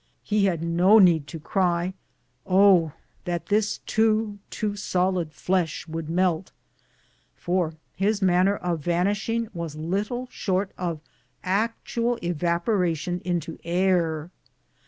lie had no need to cry, " O, that this too, too solid flesh would melt !" for his manner of vanishing was little short of actual evaporation into air.